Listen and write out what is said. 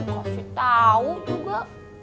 kasih tau juga